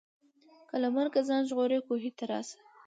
که له مرګه ځان ژغورې کوهي ته راسه